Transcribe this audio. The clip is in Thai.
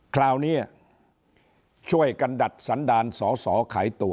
คราวนี้ช่วยกันดัดสันดาลสอสอขายตัว